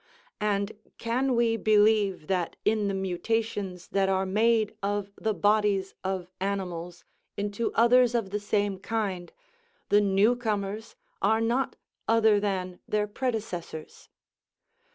And can we believe that in the mutations that are made of the bodies of animals into others of the same kind, the new comers are not other than their predecessors?